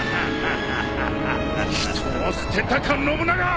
人を捨てたか信長！